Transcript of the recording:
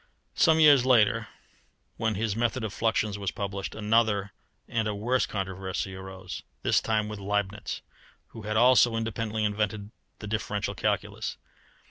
Some years later, when his method of fluxions was published, another and a worse controversy arose this time with Leibnitz, who had also independently invented the differential calculus.